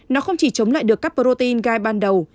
nó không chỉ chống lại được các protein gai ban đầu